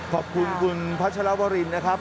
ขอบคุณคุณพัชรวรินนะครับ